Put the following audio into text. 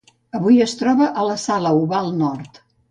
Avui es troba a la Sala Oval Nord.